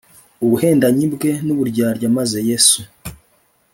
ubuhendanyi bwe nuburyarya maze Yesu